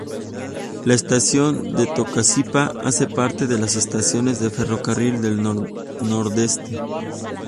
La estación de Tocancipá hace parte de las estaciones de ferrocarril del Nordeste.